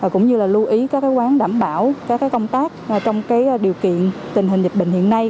cũng như là lưu ý các quán đảm bảo các công tác trong điều kiện tình hình dịch bệnh hiện nay